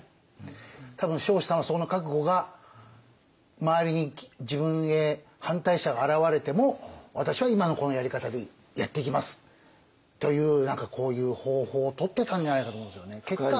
多分彰子さんはその覚悟が周りに自分へ反対者が現れても私は今のこのやり方でやっていきますという何かこういう方法をとってたんじゃないかと思うんですよね。